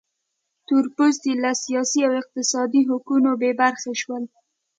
تور پوستي له سیاسي او اقتصادي حقونو بې برخې شول.